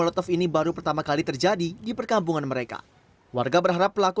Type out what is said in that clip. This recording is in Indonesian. lotov ini baru pertama kali terjadi di perkampungan mereka warga berharap pelaku